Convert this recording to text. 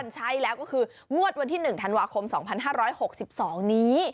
ใช่แล้วก็คืองวดวันที่๑ธันวาคม๒๕๖๒นี้